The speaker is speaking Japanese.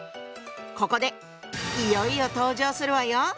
ここでいよいよ登場するわよ。